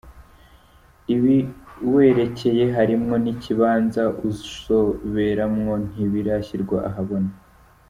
Ibiwerekeye harimwo n'ikibanza uzoberamwo ntibirashirwa ahabona.